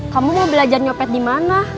kamu mau belajar nyopet dimana